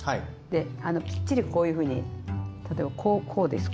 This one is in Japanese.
できっちりこういうふうに例えばこうです